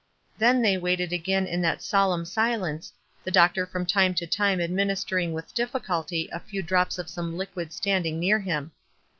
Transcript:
Then they waited again in that solemn silence, the doctor from time to time administering with difficulty a few drops of some liquid standing near him.